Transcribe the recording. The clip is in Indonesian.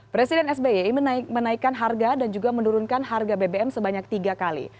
presiden sby menaikkan harga dan juga menurunkan harga bbm sebanyak tiga kali